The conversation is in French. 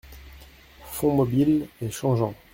Fonds mobile et changeant.